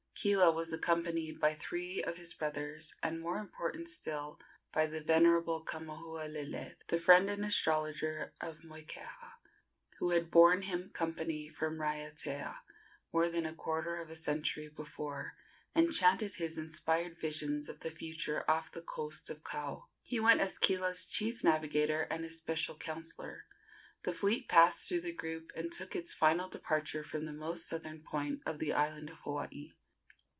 Kila was accompanied by three of his brothers, and, more important still, by the venerable Kamahualele, the friend and astrologer of Moikeha, who had borne him company from Raiatea more than a quarter of a century before, and chanted his inspired visions of the future off the coast of Kau. He went as Kila's chief navigator and especial counsellor. The fleet passed through the group and took its final departure from the most southern point of the island of Hawaii.